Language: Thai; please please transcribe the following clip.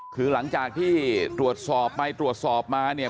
คือหลังจากที่ตรวจสอบไปตรวจสอบมาเนี่ย